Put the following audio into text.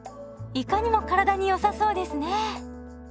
いかにも体に良さそうですね。